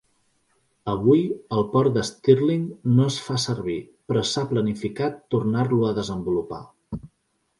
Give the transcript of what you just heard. Avui, el port de Stirling no es fa servir, però s'ha planificat tornar-lo a desenvolupar.